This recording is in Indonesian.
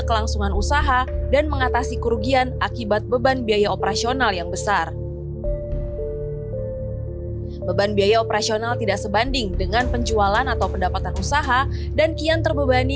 memang sekarang era digitalisasi ya serba serba